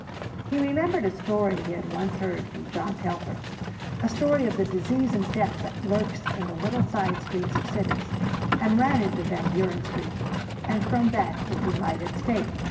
He remembered a story he had once heard from John Telfer, a story of the disease and death that lurks in the little side streets of cities, and ran into Van Buren Street and from that into lighted State.